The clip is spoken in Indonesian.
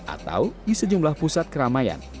atau di sejumlah pusat keramaian